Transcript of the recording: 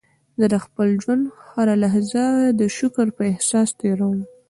زه د خپل ژوند هره لحظه د شکر په احساس تېرووم.